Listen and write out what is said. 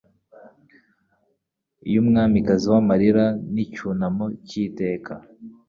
y'umwamikazi w'amarira n'icyunamo cy'iteka